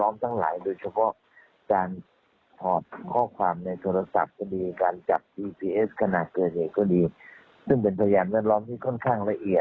ไม่ใช่คดีฆาตกรรมเนี่ย